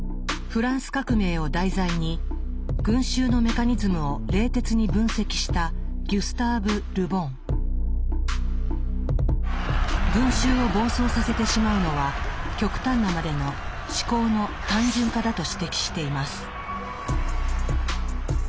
フランス革命を題材に群衆のメカニズムを冷徹に分析した群衆を暴走させてしまうのは極端なまでの思考の単純化だと指摘しています。